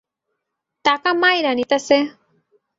টাকা মাইরা নিতাছে!